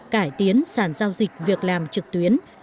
cải tiến sản giao dịch việc làm trực tiếp